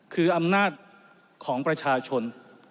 คืออำนาจของประชาชน